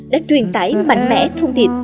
đã truyền tải mạnh mẽ thông điệp